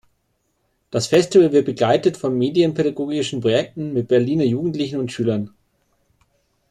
Das Festival wird begleitet von medienpädagogischen Projekten mit Berliner Jugendlichen und Schülern.